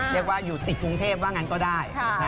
เรียกว่าอยู่ติดกรุงเทพว่างั้นก็ได้